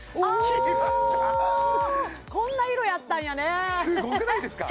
消えましたこんな色やったんやねすごくないですか？